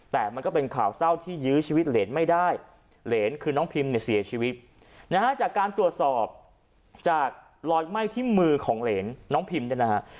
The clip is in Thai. แต่มันก็เป็นข่าวเศร้าที่ยื้อชีวิตเหรนไม่ได้เหรนคือน้องพิมเนี่ยเสียชีวิตนะฮะจากการตรวจสอบจากรอยไหม้ที่มือของเหรนน้องพิมเนี่ยนะฮะ